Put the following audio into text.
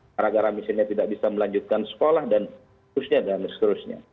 gara gara misalnya tidak bisa melanjutkan sekolah dan seterusnya